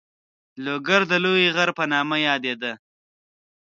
لوګر د لوی غر په نامه یادېده.